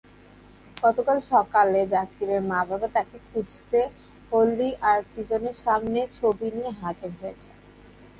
গতকাল সকালে জাকিরের মা-বাবা তাঁকে খুঁজতে হলি আর্টিজানের সামনে ছবি নিয়ে হাজির হয়েছিলেন।